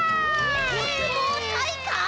おすもうたいかい！？